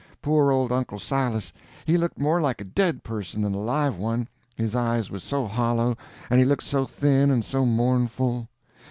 Poor old Uncle Silas, he looked more like a dead person than a live one, his eyes was so hollow and he looked so thin and so mournful.